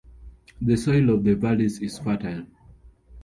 The soil of the valleys is fertile.